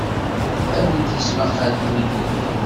Awi tismaqalin-inu.